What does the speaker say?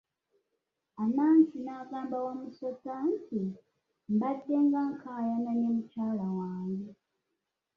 Anansi n'agamba Wamusota nti, mbadde nga nkayaana ne mukyala wange .